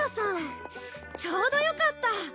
ちょうどよかった。